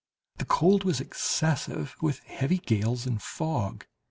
the cold was excessive, with heavy gales and fog.